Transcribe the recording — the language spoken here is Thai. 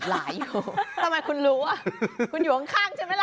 หูลายให้รู้ทำไมคุณรู้อะคุณอยู่ขังใช่มั้ยล่ะ